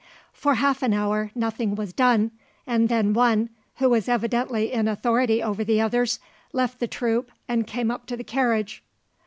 "For half an hour, nothing was done, and then one, who was evidently in authority over the others, left the troop and came up to the carriage.